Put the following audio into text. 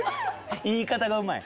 言い方がうまい。